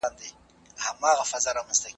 په ګرځېدو کي د چا شخصیت نه سپکېږي.